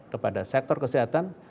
kepada sektor kesehatan